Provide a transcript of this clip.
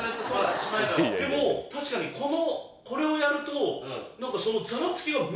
でも確かにこれをやると何かその。